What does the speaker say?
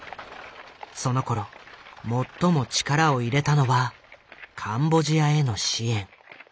そのころ最も力を入れたのはカンボジアへの支援。